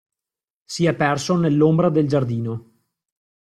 Si è perso nell'ombra del giardino.